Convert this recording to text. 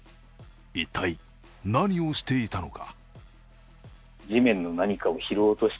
一体、何をしていたのか？